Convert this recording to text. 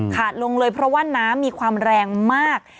ลงเลยเพราะว่าน้ำมีความแรงมาก